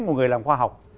của người làm khoa học